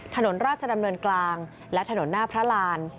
ถนนราชดำเนินกลางและถนนหน้าพระราน